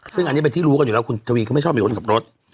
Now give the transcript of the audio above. ซึ่งอันนี้เป็นที่รู้กันอยู่แล้วคุณทวีก็ไม่ชอบมีคนขับรถ